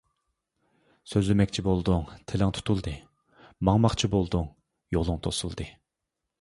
سۆزلىمەكچى بولدۇڭ، تىلىڭ تۇتۇلدى، ماڭماقچى بولدۇڭ، يولۇڭ توسۇلدى.